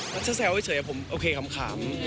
ถ้าแซวให้เฉยผมโอเคคลาม